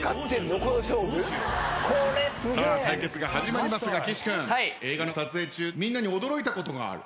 対決が始まりますが岸君映画の撮影中みんなに驚いたことがある？